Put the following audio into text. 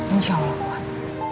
insya allah kuat